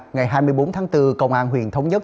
ngày hai mươi bốn tháng bốn công an huyện thống nhất